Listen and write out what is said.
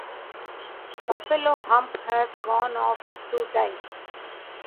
Buffalo Hump has gone off to die.